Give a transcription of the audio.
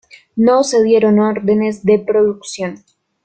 No se dieron órdenes de producción.